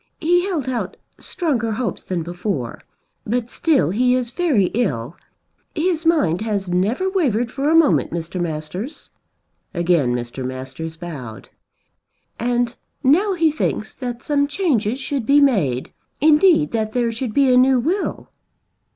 He held out stronger hopes than before. But still he is very ill. His mind has never wavered for a moment, Mr. Masters." Again Mr. Masters bowed. "And now he thinks that some changes should be made; indeed that there should be a new will."